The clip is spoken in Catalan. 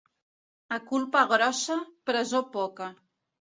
A culpa grossa, presó poca.